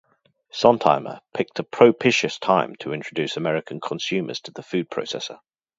Sontheimer picked a propitious time to introduce American consumers to the food processor.